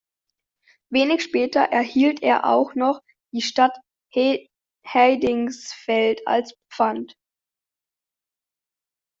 Wenig später erhielt er auch noch die Stadt Heidingsfeld als Pfand.